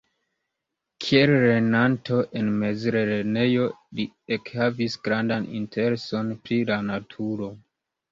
Kiel lernanto en mezlernejo li ekhavis grandan intereson pri la naturo.